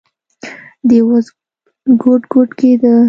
دى اوس ګوډ ګوډ کېده.